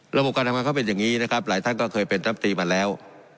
ระบบการทำงานเขาเป็นอย่างนี้นะครับหลายท่านก็เคยเป็นรับตีมาแล้ว